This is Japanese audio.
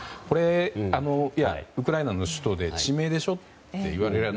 ウクライナの首都で地名でしょって言われりゃ